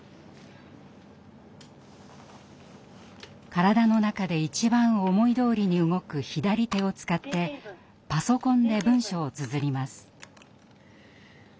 体の中で一番思いどおりに動く左手を使ってパソコンで文章をつづります。